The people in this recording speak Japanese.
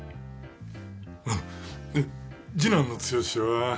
うん次男の剛は。